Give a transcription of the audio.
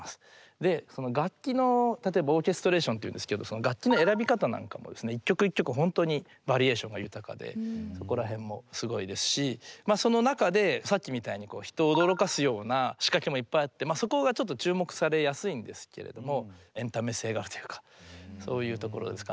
で楽器の例えばオーケストレーションっていうんですけど楽器の選び方なんかも一曲一曲本当にバリエーションが豊かでそこら辺もすごいですしまあその中でさっきみたいに人を驚かすようなしかけもいっぱいあってそこがちょっと注目されやすいんですけれどもエンタメ性があるというかそういうところですかね。